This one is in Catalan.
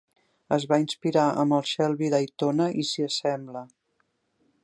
Es va inspirar amb el Shelby Daytona i s'hi assembla.